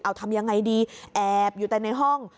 เอาทำยังไงดีแอบอยู่แต่ในห้อง